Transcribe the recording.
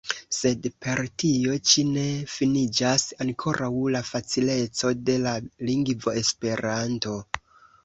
Sed per tio ĉi ne finiĝas ankoraŭ la facileco de la lingvo Esperanto.